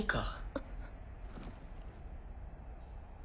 あっ。